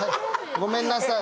ごめんなさい。